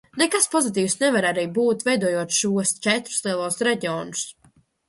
Nekas pozitīvs nevar arī būt, veidojot šos četrus lielos reģionus.